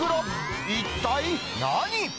一体何？